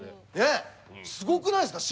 すごくないですか？